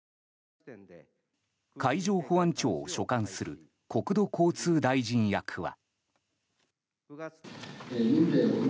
海上保安庁を所管する国土交通大臣役は。